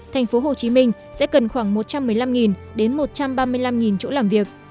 thành phố hồ chí minh sẽ cần khoảng một trăm một mươi năm đến một trăm ba mươi năm chỗ làm việc